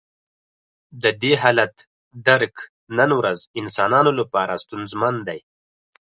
د دې حالت درک نن ورځ انسانانو لپاره ستونزمن دی.